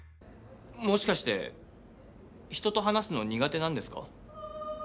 もしかして人と話すの苦手なんですか？